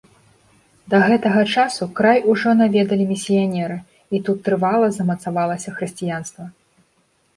Да гэтага часу край ужо наведалі місіянеры і тут трывала замацавалася хрысціянства.